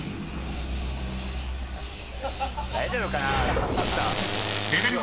大丈夫かな？